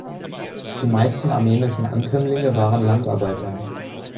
Die meisten armenischen Ankömmlinge waren Landarbeiter.